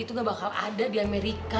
itu gak bakal ada di amerika